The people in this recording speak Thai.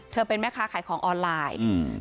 เป็นแม่ค้าขายของออนไลน์อืม